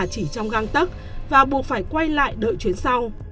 chỉ trong găng tức và buộc phải quay lại đợi chuyến sau